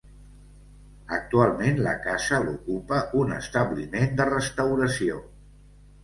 Actualment la casa l'ocupa un establiment de restauració.